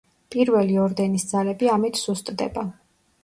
პირველი ორდენის ძალები ამით სუსტდება.